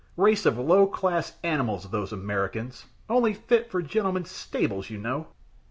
"Race of low class animals, those Americans only fit for gentlemen's stables, you know."